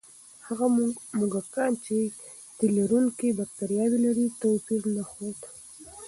هغه موږکان چې د تیلرونکي بکتریاوې لري، توپیر نه ښود.